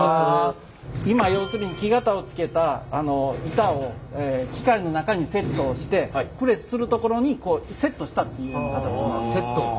今要するに木型をつけた板を機械の中にセットをしてプレスするところにセットしたっていうような形。